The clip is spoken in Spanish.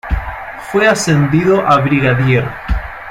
Fue ascendido a brigadier.